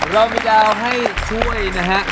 เราจะให้ช่วย